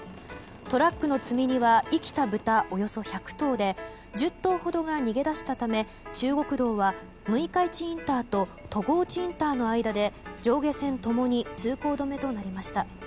トラックの積み荷は生きたブタおよそ１００頭で１０頭ほどが逃げ出したため中国道は六日市インターと戸河内インターの間で上下線ともに通行止めとなりました。